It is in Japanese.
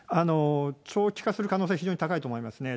長期化する可能性、非常に高いと思いますね。